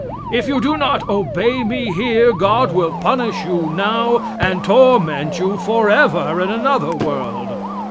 If you do not obey me here, God will punish you now and torment you forever in another world.